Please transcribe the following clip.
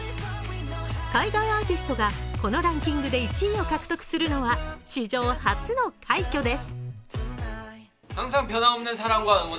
海外アーティストがこのランキングで１位を獲得するのは史上初の快挙です。